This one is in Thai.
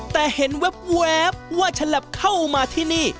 แต่เห็นแว๊บว่าฉลับเข้ามาที่นี่